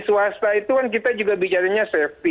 pakai heli swasta itu kan kita juga bicaranya safety